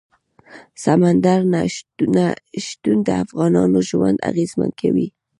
سمندر نه شتون د افغانانو ژوند اغېزمن کوي.